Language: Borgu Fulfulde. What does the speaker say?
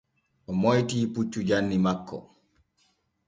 O moytii puccu janni makko.